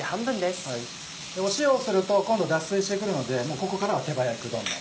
塩すると今度脱水してくるのでここからは手早くどんどん。